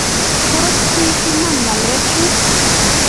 Tos pi iman ng'alechu?